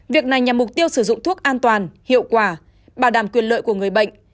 việc này nhằm mục tiêu sử dụng thuốc an toàn hiệu quả bảo đảm quyền lợi của người bệnh